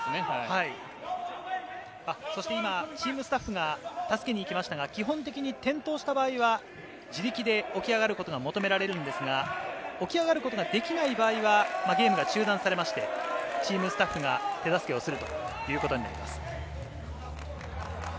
今、チームスタッフが助けに行きましたが、基本的に転倒した場合は自力で起き上がることが求められるんですが、起き上がることができない場合はゲームが中断されまして、チームスタッフが手助けをするということになります。